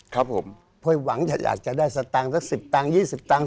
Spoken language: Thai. เพราะหวังอยากจะได้สตางค์สัก๑๐ตังค์๒๐ตังค์